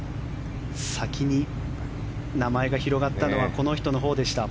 先に名前が広がったのはこの人のほうでした。